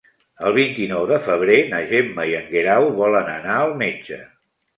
El vint-i-nou de febrer na Gemma i en Guerau volen anar al metge.